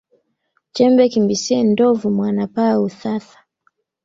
Chembe kimbisie ndovu mwana paa huthathaa